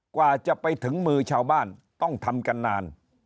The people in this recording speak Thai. กว่าจะไปถึงมือชาวบ้านต้องทำกันนาน